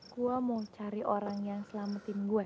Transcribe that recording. gue mau cari orang yang selamatin gue